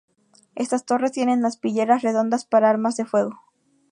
Estas torres tienen aspilleras redondas para armas de fuego.